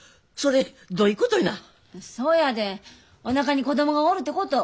そやでおなかに子供がおるってこと。